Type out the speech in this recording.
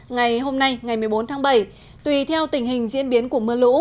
ngày hôm nay ngày một mươi bốn tháng bảy tùy theo tình hình diễn biến của mưa lũ